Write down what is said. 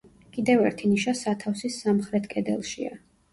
კიდევ ერთი ნიშა სათავსის სამხრეთ კედელშია.